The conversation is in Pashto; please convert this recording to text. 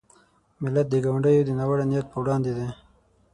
ملت د ګاونډیو د ناوړه نیت په وړاندې دی.